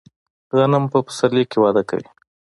غنم په پسرلي کې وده کوي.